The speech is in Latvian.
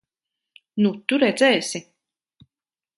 Nu, tu redzēsi!